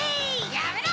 ・やめろ！